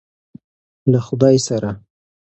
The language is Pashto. له خدای سره.